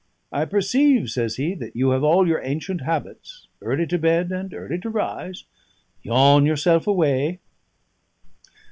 "I perceive," says he, "that you have all your ancient habits: early to bed and early to rise. Yawn yourself away!"